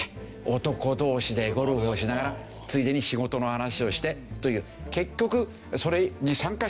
男同士でゴルフをしながらついでに仕事の話をしてという。